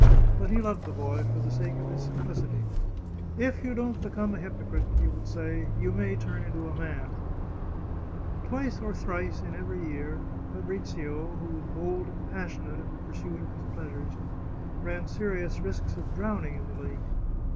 But he loved the boy for the sake of his simplicity. " If you don't become a hypocrite," he would say, " you may turn into a man !" Twice or thrice in every year, Fabrizio, who was bold and passionate in the pursuit of his pleasures, ran seri ous risks of drowning in the lake.